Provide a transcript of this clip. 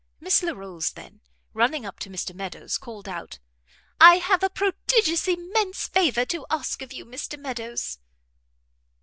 Miss Larolles then, running up to Mr Meadows, called out, "I have a prodigious immense favour to ask of you, Mr Meadows."